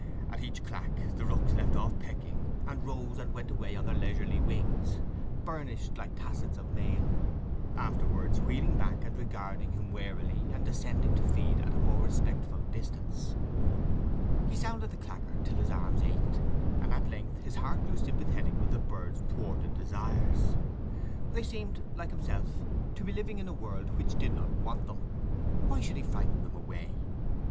At each clack the rooks left off pecking, and rose and went away on their leisurely wings, burnished like tassets of mail, afterwards wheeling back and regarding him warily, and descending to feed at a more respectful distance. He sounded the clacker till his arm ached, and at length his heart grew sympathetic with the birds' thwarted desires. They seemed, like himself, to be living in a world which did not want them. Why should he frighten them away?